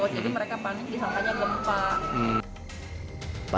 jadi mereka panik disangkanya lempak